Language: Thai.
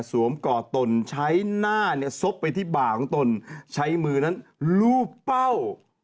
ก่อตนใช้หน้าเนี่ยซบไปที่บ่าของตนใช้มือนั้นลูบเป้า